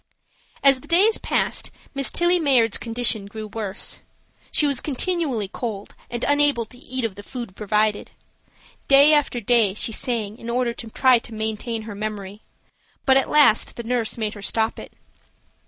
As the days passed Miss Tillie Mayard's condition grew worse. She was continually cold and unable to eat of the food provided. Day after day she sang in order to try to maintain her memory, but at last the nurse made her stop it.